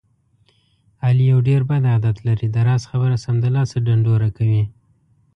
علي یو ډېر بد عادت لري. د راز خبره سمدلاسه ډنډوره کوي.